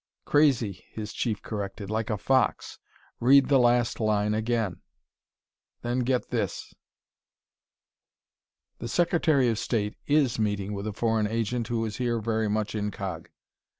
"Crazy," his chief corrected, "like a fox! Read the last line again; then get this "The Secretary of State is meeting with a foreign agent who is here very much incog.